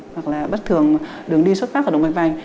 hoặc là bất thường đường đi xuất phát của động mạch bành